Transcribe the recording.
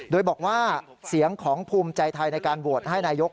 โดยบอกว่าเสียงของภูมิใจไทยในการโหวตให้นายก